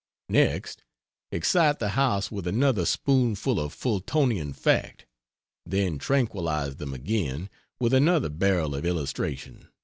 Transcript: Next, excite the house with another spoonful of Fultonian fact, then tranquilize them again with another barrel of illustration.